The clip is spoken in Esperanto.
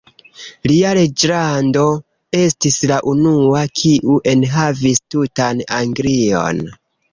Lia reĝlando estis la unua, kiu enhavis tutan Anglion.